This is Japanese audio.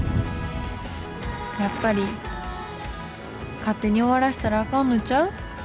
やっぱり勝手に終わらせたらあかんのんちゃう？